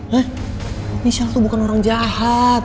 hah michelle tuh bukan orang jahat